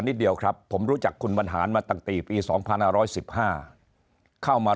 นิดเดียวครับผมรู้จักคุณบรรหารมาตั้งแต่ปี๒๕๑๕เข้ามา